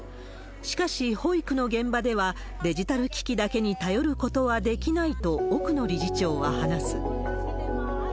しかし、保育の現場ではデジタル機器だけに頼ることはできないと、奥野理事長は話す。